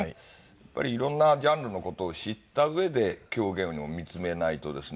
やっぱり色んなジャンルの事を知った上で狂言を見つめないとですね。